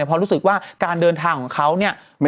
เพราะรู้สึกว่าการเดินทางของเขาเนี่ย